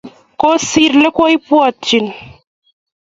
Kosir olekoibwatchini